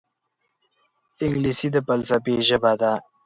انګلیسي د فلسفې ژبه ده